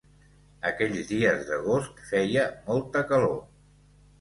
Aquells dies d'agost feia molta calor.